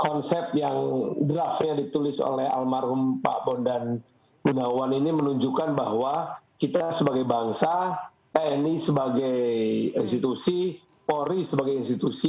konsep yang draftnya ditulis oleh almarhum pak bondan gunawan ini menunjukkan bahwa kita sebagai bangsa tni sebagai institusi polri sebagai institusi